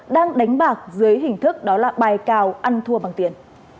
đang đánh bạc dưới hình thức bài cào ăn thua bằng tiền